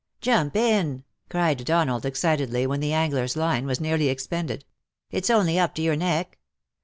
" Jump in/ * cried Donald, excitedly, when the angler's line was nearly expended, '^ it's only up to your neck."